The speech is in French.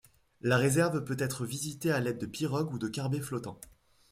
La réserve peut être visitée à l'aide de pirogues ou de carbets flottants.